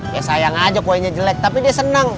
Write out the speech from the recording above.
ya sayang aja kuenya jelek tapi dia seneng